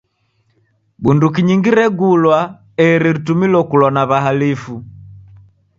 Bunduki nyingi regulwa eri ritumilo kulwa na w'ahalifu.